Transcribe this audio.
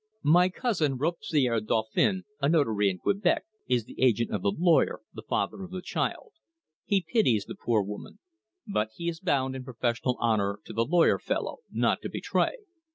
My cousin, Robespierre Dauphin, a notary in Quebec, is the agent of the lawyer, the father of the child. He pities the poor woman. But he is bound in professional honour to the lawyer fellow, not to betray.